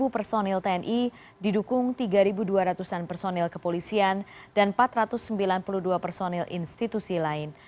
dua puluh personil tni didukung tiga dua ratus an personil kepolisian dan empat ratus sembilan puluh dua personil institusi lain